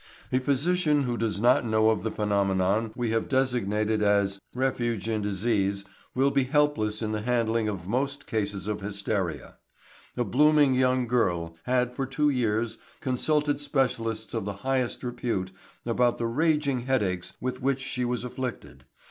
A physician who does not know of the phenomenon we have designated as "refuge in disease" will be helpless in the handling of most cases of hysteria. A blooming young girl had for two years consulted specialists of the highest repute about the raging headaches with which she was afflicted.